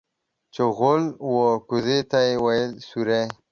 چغول و کوزې ته ويل سورۍ.